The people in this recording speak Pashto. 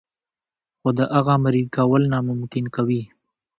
خو د هغه مريي کول ناممکن کوي.